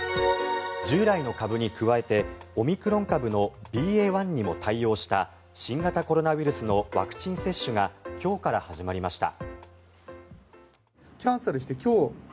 従来の株に加えてオミクロン株のＢＡ．１にも対応した新型コロナウイルスのワクチン接種が今日から始まりました。